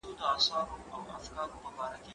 زه به سبزیحات وچولي وي!؟